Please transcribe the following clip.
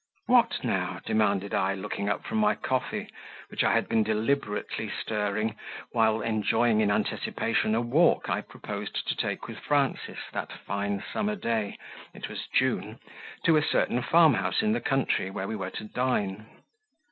"What now?" demanded I, looking up from my coffee, which I had been deliberately stirring while enjoying, in anticipation, a walk I proposed to take with Frances, that fine summer day (it was June), to a certain farmhouse in the country, where we were to dine.